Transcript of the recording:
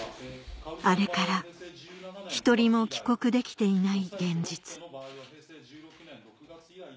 あれから１人も帰国できていない